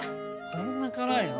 そんな辛いの？